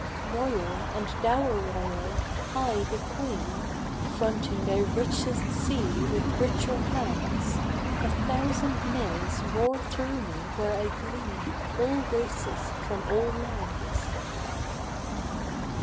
_ Royal and Dower royal, I the Queen Fronting thy richest sea with richer hands A thousand mills roar through me where I glean All races from all lands.